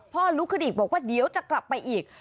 ลุกขึ้นอีกบอกว่าเดี๋ยวจะกลับไปอีก